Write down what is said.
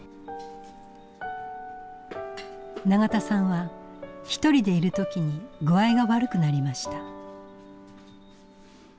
永田さんはひとりでいる時に具合が悪くなりました。